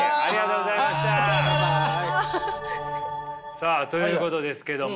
さあということですけども。